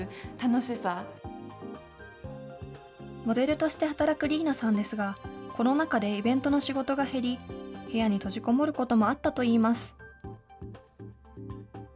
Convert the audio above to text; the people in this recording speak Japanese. モデルとして働く理衣那さんですが、コロナ禍でイベントの仕事が減り、部屋に閉じこもることもあったといいます。